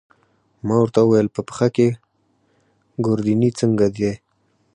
ما ورته وویل: په پښه کې، ګوردیني څنګه دی؟